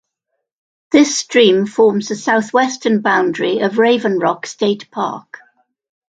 This stream forms the southwestern boundary of Raven Rock State Park.